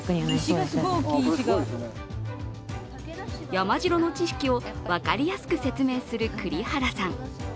山城の知識を分かりやすく説明する栗原さん。